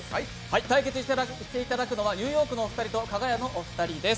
対決していただくのはニューヨークのお二人とかが屋のお二人です。